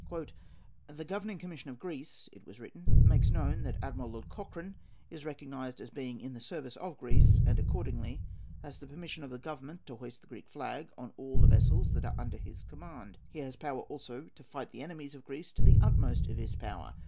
"The Governing Commission of Greece," it was written, "makes known that Admiral Lord Cochrane is recognised as being in the service of Greece, and accordingly has the permission of the Government to hoist the Greek flag on all the vessels that are under his command. He has power, also, to fight the enemies of Greece to the utmost of his power.